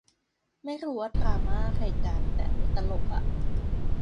ไม่รู้ว่าดราม่าอะไรกัน แต่อันนี้ตลกอะ